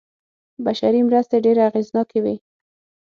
بشري مرستې ډېرې اغېزناکې وې.